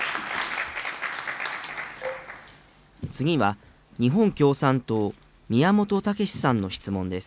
次は日本共産党、宮本岳志さんの質問です。